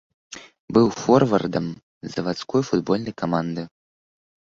Быў форвардам завадской футбольнай каманды.